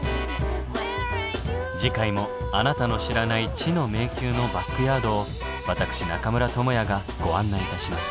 次回もあなたの知らない知の迷宮のバックヤードを私中村倫也がご案内いたします。